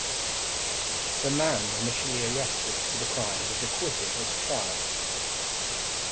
The man initially arrested for the crime was acquitted at trial.